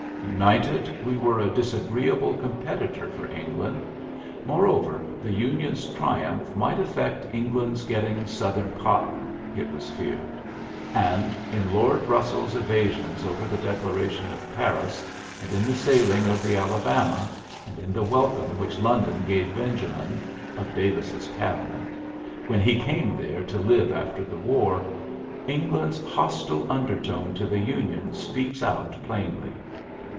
United, we were a disagree able competitor for England. MoreoveTi the Union's triumph might affect Eng land's getting Southern cotton, it was feared; and in Lord Bussell's evasions over the Declaration of Paris, and in the sailing of the Alabama^ and in the welcome which London gave Benjamin (of Davis's cabinet) when he came there to live after the war, England's hostile undertone to the Union speaks out plainly.